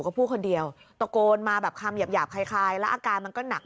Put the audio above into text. ก็พูดคนเดียวตะโกนมาแบบคำหยาบคล้ายแล้วอาการมันก็หนัก